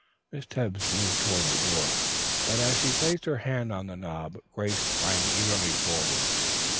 Miss Tebbs moved toward the door, but as she placed her hand on the knob Grace sprang eagerly forward.